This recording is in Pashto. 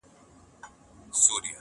ته خيالوره، لکه مرغۍ د هوا~